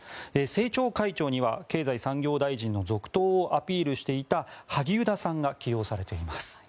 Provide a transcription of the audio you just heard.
政調会長には経済産業大臣の続投をアピールしていた萩生田さんが起用されています。